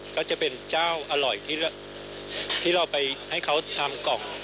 ก็จะเป็นเจ้าอร่อยที่เราไปให้เขาทำกล่อง